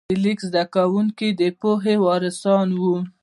د لیک زده کوونکي د پوهې وارثان وو.